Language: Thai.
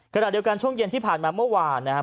ขณะเดียวกันช่วงเย็นที่ผ่านมาเมื่อวานนะครับ